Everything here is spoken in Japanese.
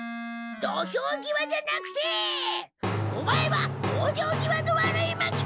土俵際じゃなくてオマエは往生際の悪い牧之介だ！